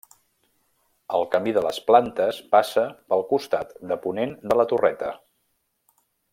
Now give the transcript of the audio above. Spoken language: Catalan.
El Camí de les Plantes passa pel costat de ponent de la Torreta.